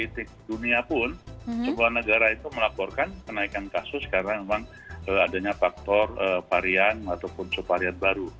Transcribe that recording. di dunia pun semua negara itu melaporkan kenaikan kasus karena memang adanya faktor varian ataupun subvarian baru